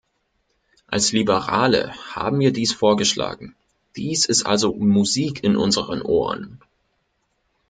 Als Liberale haben wir dies vorgeschlagen, dies ist also Musik in unseren Ohren.